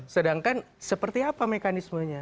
sedangkan seperti apa mekanismenya